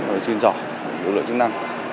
và xin rõ lực lượng chức năng